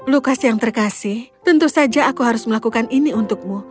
lukas yang terkasih tentu saja aku harus melakukan ini untukmu